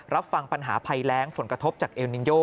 รับฟังปัญหาภัยแรงผลกระทบจากเอลนินโย